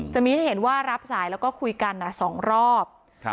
จะมีให้เห็นว่ารับสายแล้วก็คุยกันสองรอบ